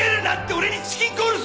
俺にチキンコールすんだ！